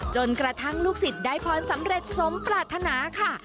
จนกระทั่งลูกศิษย์ได้พรสำเร็จสมปรารถนาค่ะ